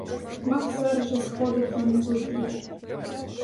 Макс зараз же сходить їй назустріч.